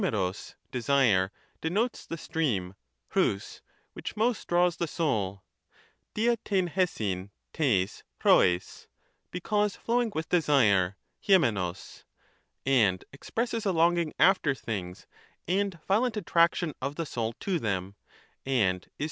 pog (desire) denotes the stream {povc) Socrates, which most draws the soul 6ia rijv taiv rfj^ poij^ — because '^''^'"' flowing with desire (Isiievoq), and expresses a longing after . things and violent attraction of the soul to them, and is